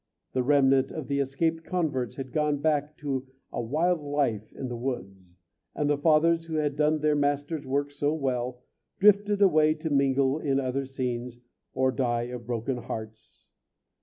A remnant of the escaped converts had gone back to a wild life in the woods, and the Fathers, who had done their Master's work so well, drifted away to mingle in other scenes or die of broken hearts.